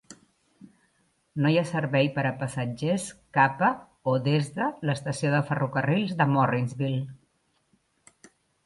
No hi ha servei per a passatgers cap a o des de l'estació de ferrocarrils de Morrinsville.